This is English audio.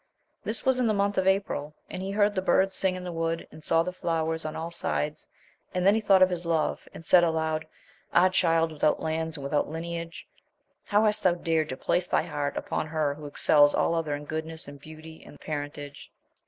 This was in the month of April, and he heard the birds sing in the wood, and saw the flowers on all sides, and then he thought of his love, and said aloud, Ah Child without lands and without lineage ! how hast thou dared to place thy heart upon her who excels all other in goodness, and beauty, and parent age